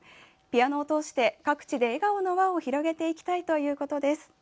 ピアノを通して各地で笑顔の輪を広げていきたいということです。